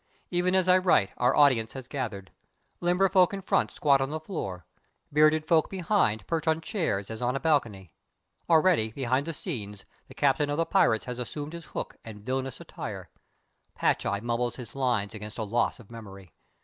Even as I write our audience has gathered. Limber folk in front squat on the floor. Bearded folk behind perch on chairs as on a balcony. Already, behind the scenes, the captain of the pirates has assumed his hook and villainous attire. Patch Eye mumbles his lines against a loss of memory.